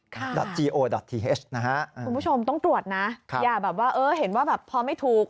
คุณผู้ชมต้องตรวจนะอย่าเห็นว่าพอไม่ถูก